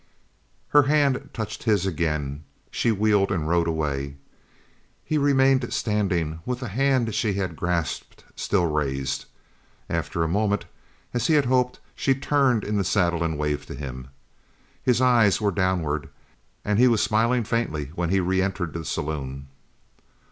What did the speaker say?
Her hand touched his again, she wheeled, and rode away. He remained standing with the hand she had grasped still raised. And after a moment, as he had hoped, she turned in the saddle and waved to him. His eyes were downward and he was smiling faintly when he re entered the saloon.